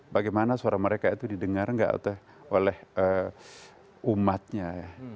bagaimana suara mereka itu didengar nggak oleh umatnya ya